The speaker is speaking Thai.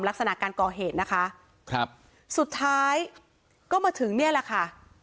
ลักษณะการก่อเหตุนะคะครับสุดท้ายก็มาถึงเนี่ยแหละค่ะ